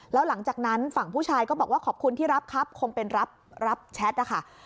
แล้วหลังจากนั้นฝั่งผู้ชายก็บอกว่าขอบคุณที่รับครับคงเป็นรับแชทนะคะ